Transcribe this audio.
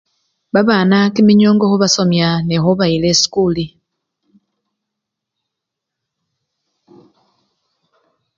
Babana kiminiongo khubasomya nekhubayila esikuli.